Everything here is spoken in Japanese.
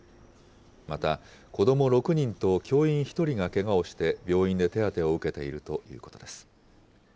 また、こども６人と教員１人がけがをして病院で手当てを受けているということです。